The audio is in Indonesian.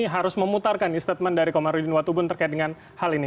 harus memutarkan statement dari komarudin watubun terkait dengan hal ini